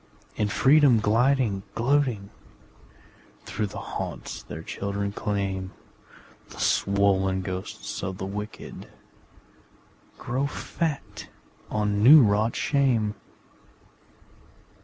In freedom gliding, gloating, Through the haunts their children claim The swollen ghosts of the wicked Grow fat on new wrought shame.